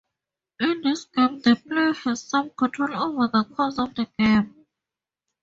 In this game, the player has some control over the course of the game.